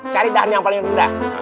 cari dan yang paling rendah